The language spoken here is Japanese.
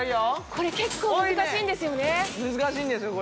これ、結構難しいんですよね。